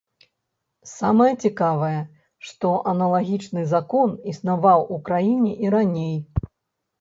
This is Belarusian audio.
Самае цікавае, што аналагічны закон існаваў у краіне і раней.